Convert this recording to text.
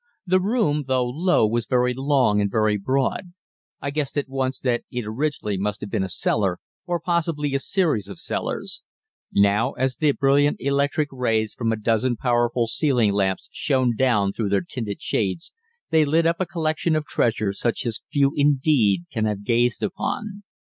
The room, though low, was very long and very broad; I guessed at once that originally it must have been a cellar, or possibly a series of cellars. Now as the brilliant electric rays from a dozen powerful ceiling lamps shone down through their tinted shades, they lit up a collection of treasure such as few indeed can have gazed upon.